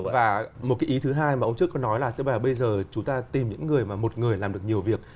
và một cái ý thứ hai mà ông trước có nói là tức là bây giờ chúng ta tìm những người mà một người làm được nhiều việc